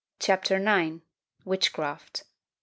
CHAPTER IX. WITCHCRAFT.